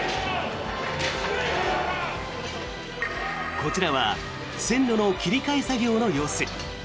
こちらは線路の切り替え作業の様子。